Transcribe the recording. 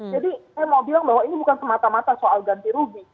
jadi saya mau bilang bahwa ini bukan semata mata soal ganti rugi